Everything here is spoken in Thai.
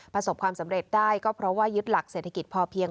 ประสบความสำเร็จได้ก็เพราะว่ายึดหลักเศรษฐกิจพอเพียง